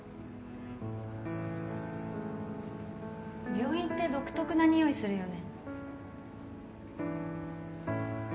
病院って独特なにおいするよね。